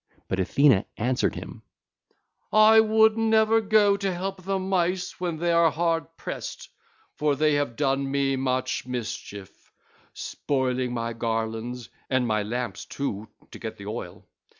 But Athena answered him: 'I would never go to help the Mice when they are hard pressed, for they have done me much mischief, spoiling my garlands and my lamps too, to get the oil.